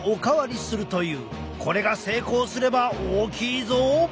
これが成功すれば大きいぞ！